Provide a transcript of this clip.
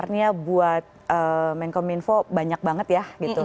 pr nya buat menkom info banyak banget ya